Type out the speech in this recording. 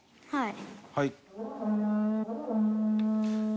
はい。